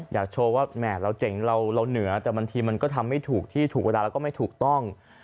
อยากโชว์ว่าแหม่เราเจ๋งเราเราเหนือแต่บางทีมันก็ทำไม่ถูกที่ถูกเวลาแล้วก็ไม่ถูกต้อง